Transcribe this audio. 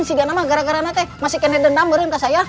kita masih tidak ada yang berantem